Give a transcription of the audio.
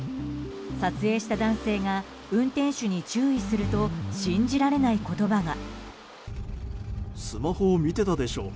撮影した男性が運転手に注意すると信じられない言葉が。